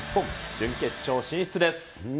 準決勝進出です。